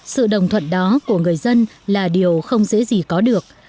sự đồng thuận đó của người dân là điều không dễ gì có được